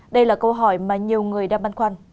đây là câu hỏi mà nhiều người đang băn khoăn